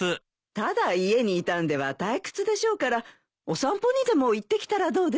ただ家にいたんでは退屈でしょうからお散歩にでも行ってきたらどうですか？